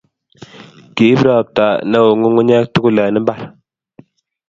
Kiip ropta ne o nyukunyek tugul eng mbar